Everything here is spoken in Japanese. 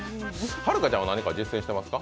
はるかちゃんは何か実践してますか？